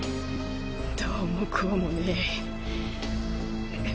どうもこうもねえ。